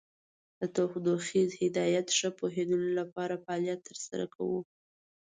د تودوخیز هدایت ښه پوهیدلو لپاره فعالیت تر سره کوو.